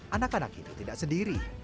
anak anak itu tidak sendiri